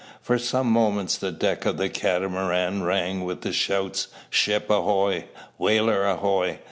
For some moments the deck of the Catamaran rang with the shouts, "Ship ahoy!" "Whaler ahoy!"